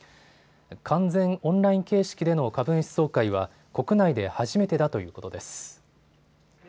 完全オンライン形式での株主総会は国内で初めてだということです。